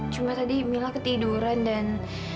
cuma tadi mila ketiduran dan